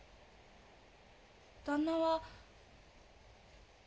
旦那は。